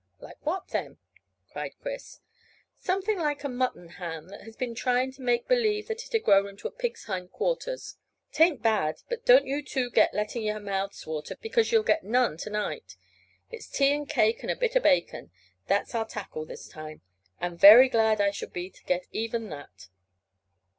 "Like what, then?" cried Chris. "Something like a mutton ham that has been trying to make believe that it had grown on a pig's hind quarters. 'Tain't bad, but don't you two get letting your mouths water, because you'll get none to night. It's tea and cake and a bit o' bacon. That's our tackle this time, and very glad I shall be to get even that."